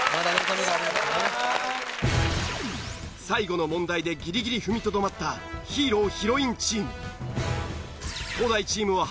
最後の問題でギリギリ踏みとどまったヒーローヒロインチーム。